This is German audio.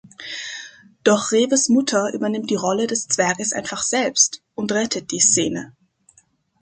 Doch Reves Mutter übernimmt die Rolle des Zwerges einfach selbst und rettet die Szene.